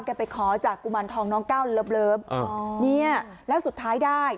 ไปขอจากกุมารทองน้องก้าวเลิฟอ๋อเนี่ยแล้วสุดท้ายได้